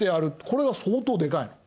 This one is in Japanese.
これが相当でかいの。